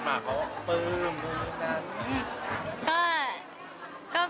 หม่าเขาก็ปึ้ม